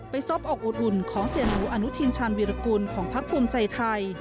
ซบอกอดอุ่นของเสียหนูอนุทินชาญวิรากุลของพักภูมิใจไทย